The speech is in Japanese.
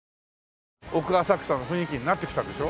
奥浅草の雰囲気になってきたでしょ。